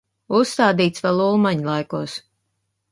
Uzstādīts vēl Ulmaņlaikos.